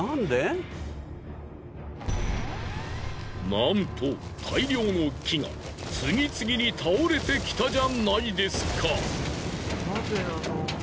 なんと大量の木が次々に倒れてきたじゃないですか。